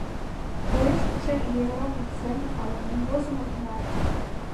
Коеш укшер иероглиф семын — Ала-мом возымо тынар?